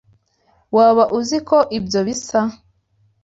Waba uzi uko ibyo bisa?